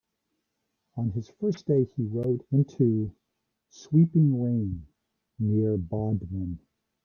On his first day he rode into sweeping rain near Bodmin.